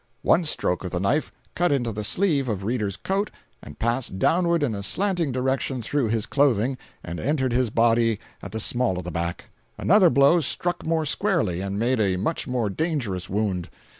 One stroke of the knife cut into the sleeve of Reeder's coat and passed downward in a slanting direction through his clothing, and entered his body at the small of the back; another blow struck more squarely, and made a much more dangerous wound.